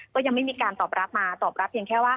ก็ยังไม่มีการตอบรับมาตอบรับเพียงแค่ว่า